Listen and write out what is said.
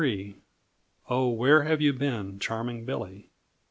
_Oh, Where Have You Been, Charming Billy?